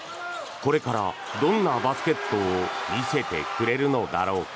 これから、どんなバスケットを見せてくれるのだろうか。